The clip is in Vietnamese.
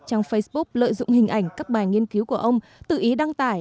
trang facebook lợi dụng hình ảnh các bài nghiên cứu của ông tự ý đăng tải